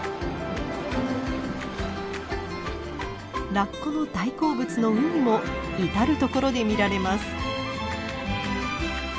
ラッコの大好物のウニも至るところで見られます。